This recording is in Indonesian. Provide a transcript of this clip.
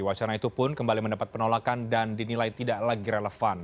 wacana itu pun kembali mendapat penolakan dan dinilai tidak lagi relevan